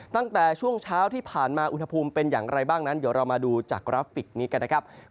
ตั้งแต่ช่วงเช้าที่ผ่านมาวุถภูมิเป็นอย่างไรบ้างเรามาดูจากกราฟิกนี้กัน